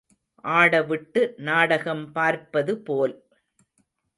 ஆடவிட்டு நாடகம் பார்ப்பது போல்.